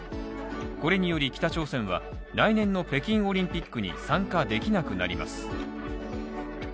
これにより北朝鮮は来年の北京オリンピックに参加できなくなります